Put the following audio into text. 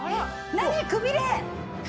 何くびれ！